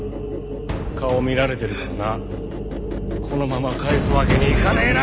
顔見られてるからなこのまま帰すわけにいかねえな！